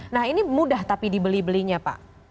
nah ini mudah tapi dibeli belinya pak